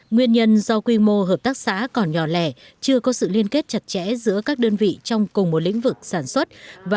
nguyên nhân do quy mô hợp tác xã còn nhỏ lẻ chưa có sự liên kết chặt chẽ giữa các đơn vị trong cùng một